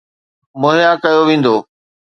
مهيا ڪيو ويندو.